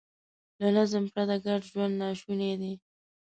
له نظم پرته ګډ ژوند ناشونی دی.